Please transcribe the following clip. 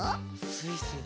スイスイ。